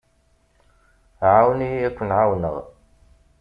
Ԑawen-iyi ad ken-εawneɣ.